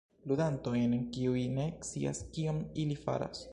Ludantojn, kiuj ne scias kion ili faras...